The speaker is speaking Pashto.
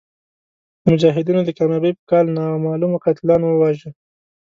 د مجاهدینو د کامیابۍ په کال نامعلومو قاتلانو وواژه.